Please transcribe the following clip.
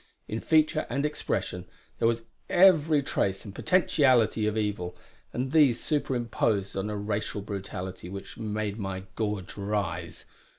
In feature and expression there was every trace and potentiality of evil; and these superimposed on a racial brutality which made my gorge rise.